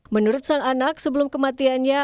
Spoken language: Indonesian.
menurut sang anak sebelum kematiannya